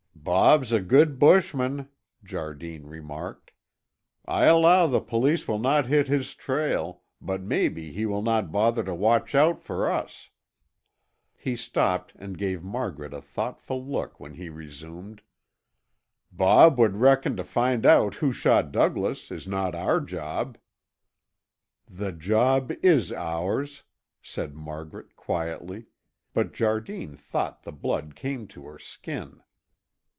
"Bob's a good bushman," Jardine remarked. "I alloo the police will not hit his trail, but maybe he will not bother to watch out for us " He stopped and gave Margaret a thoughtful look when he resumed: "Bob would reckon to find out who shot Douglas is no' our job." "The job is ours," said Margaret quietly, but Jardine thought the blood came to her skin.